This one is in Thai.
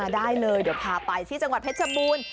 ได้เลยเดี๋ยวพาไปที่จังหวัดเพชรบูรณ์